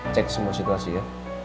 cek semua situasi ya